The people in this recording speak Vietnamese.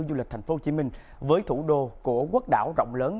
du lịch thành phố hồ chí minh với thủ đô của quốc đảo rộng lớn